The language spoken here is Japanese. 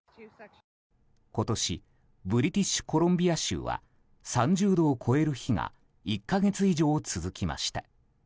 今年ブリティッシュコロンビア州は３０度を超える日が１か月以上、続きました。